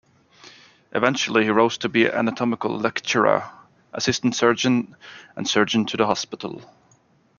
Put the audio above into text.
Eventually he rose to be anatomical lecturer, assistant-surgeon and surgeon to the hospital.